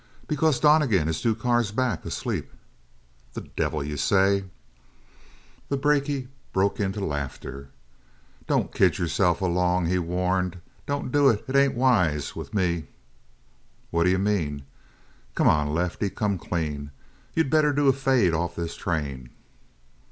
"Because Donnegan is two cars back, asleep." "The devil you say!" The brakie broke into laughter "Don't kid yourself along," he warned. "Don't do it. It ain't wise with me." "What you mean?" "Come on, Lefty. Come clean. You better do a fade off this train."